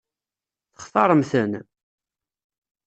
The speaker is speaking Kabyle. Textaṛem-ten?